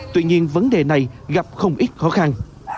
tuy nhiên vấn đề này gặp không ít khó khăn